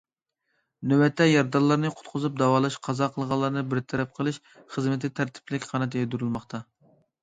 نۆۋەتتە، يارىدارلارنى قۇتقۇزۇپ داۋالاش، قازا قىلغانلارنى بىر تەرەپ قىلىش خىزمىتى تەرتىپلىك قانات يايدۇرۇلماقتا.